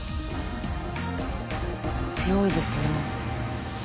強いですね。